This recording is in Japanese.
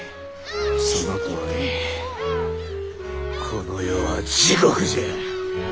そのとおりこの世は地獄じゃ！